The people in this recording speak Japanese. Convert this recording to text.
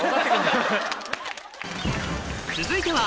続いては